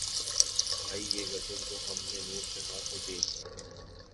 بھئی یہ غزل تو ہم نے نور جہاں کو دے دی ہے